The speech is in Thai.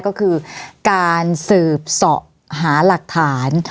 ก็คือการสืบเสาะหาหลักฐาน